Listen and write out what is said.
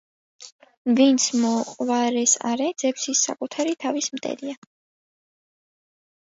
ვინც მოყვარეს არ ეძებს, ის საკუთარი თავის მტერია